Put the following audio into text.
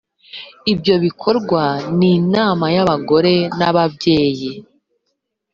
ibyo bikorwa n’inama y’abagore n’ababyeyi